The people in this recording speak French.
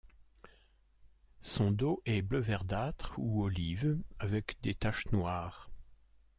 Son dos est bleu verdâtre ou olive avec des taches noires.